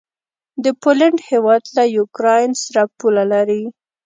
د پولينډ هيواد له یوکراین سره پوله لري.